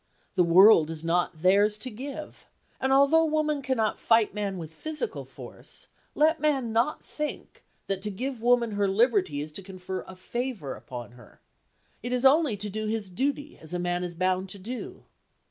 The world is not theirs to give, and although woman cannot fight man with physical force, let man not think that to give woman her liberty is to confer a favour upon her. It is only to do his duty, as a man is bound to do.